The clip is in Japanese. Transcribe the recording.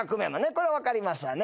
これは分かりますわね。